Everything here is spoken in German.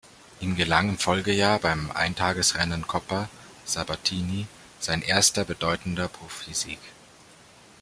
Ihm gelang im Folgejahr beim Eintagesrennen Coppa Sabatini sein erster bedeutender Profisieg.